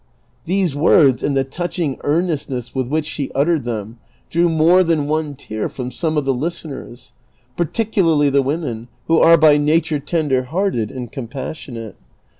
These words, and the touching earnest ness with which she uttered them, drew more than one tear from some of the listeners, particularly the women, who are by nat ure tender hearted and compassionate.